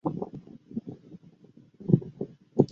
位于江淮分水岭到苏北平原过度地。